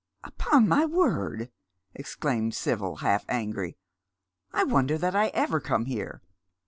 " Upon my word," exclaimed Sibyl, half angry, " I wonder that I ever come here."